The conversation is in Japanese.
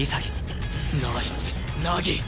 ナイス凪！